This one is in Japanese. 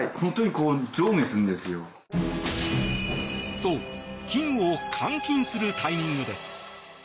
そう金を換金するタイミングです。